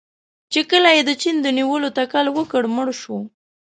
چې کله یې د چین د نیولو تکل وکړ، مړ شو.